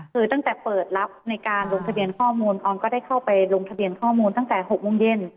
คือตั้งแต่เปิดรับในการลงทะเบียนข้อมูลออนก็ได้เข้าไปลงทะเบียนข้อมูลตั้งแต่๖โมงเย็น